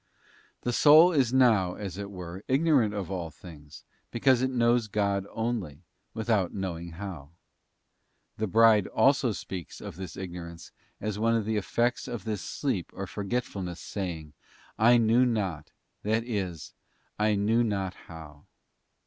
The soul is now, as it were, ignorant of all things, because it knows God only, without knowing how. The Bride also speaks of this ignorance as one of the effects of this sleep or forgetfulness, saying, 'I knew not:'t that is, I knew not how.